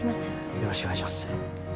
よろしくお願いします。